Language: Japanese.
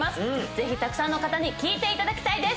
ぜひたくさんの方に聴いて頂きたいです。